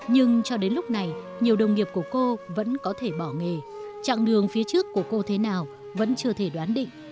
nhưng cho đến lúc này nhiều đồng nghiệp của cô vẫn có thể bỏ nghề chặng đường phía trước của cô thế nào vẫn chưa thể đoán định